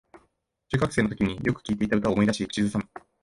中学生のときによく聴いていた歌を思い出し口ずさむ